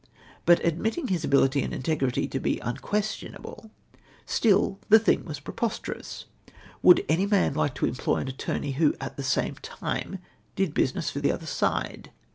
But admitting his ability and integrity to be unquestionable, still the thing was preposterous. Woidd any man like to employ an attorney who at the same time did business for the other side?